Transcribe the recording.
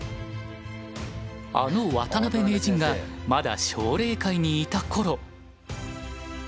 あの渡辺名人がまだ奨励会にいた頃。